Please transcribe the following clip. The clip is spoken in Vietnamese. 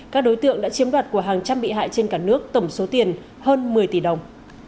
các đối tượng đã chiếm đoạt của hàng trăm bị hại trên cả nước tổng số tiền hơn một mươi tỷ đồng